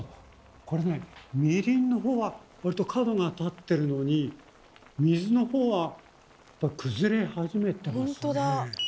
これねみりんのほうはわりと角が立ってるのに水のほうは崩れ始めてますね。